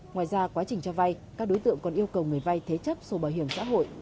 ngoài ra quá trình cho vay các đối tượng còn yêu cầu người vay thế chấp sổ bảo hiểm xã hội